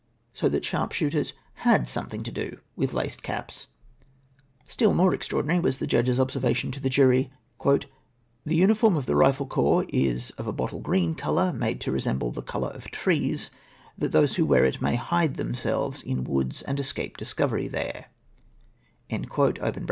— so that sharpshooters had something to do mth laced caps. Still more extraordinary was the judge's observation IX POSITIVE OPPOSITION TO EVIDENCE. 377 to the jury :—" The uniform of the rifle corps is of a bottle green colour, made to resemble the colour of trees, that those who wear it may hide themselves in woods, and escape discovery there."